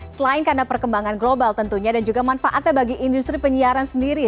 selain karena perkembangan global tentunya dan juga manfaatnya bagi industri penyiaran sendiri